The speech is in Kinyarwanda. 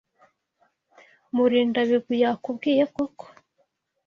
Murindabigwi yakubwiye koko?